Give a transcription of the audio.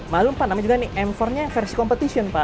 malu pak nama juga nih m empat nya versi competition pak